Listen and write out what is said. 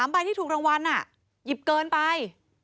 ใบที่ถูกรางวัลหยิบเกินไป